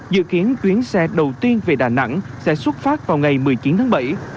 dự kiến chuyến xe đầu tiên về đà nẵng sẽ xuất phát vào ngày một mươi chín tháng bảy